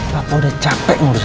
papa udah capek ngurusin kamu